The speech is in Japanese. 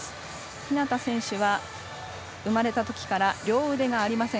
日向選手は生まれたときから両腕がありません。